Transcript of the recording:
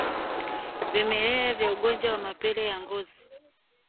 Vimelea vya ugonjwa wa mapele ya ngozi